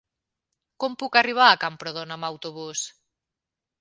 Com puc arribar a Camprodon amb autobús?